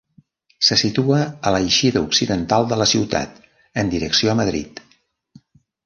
Se situa a l'eixida occidental de la ciutat en direcció Madrid.